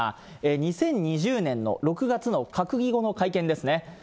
２０２０年の６月の閣議後の会見ですね。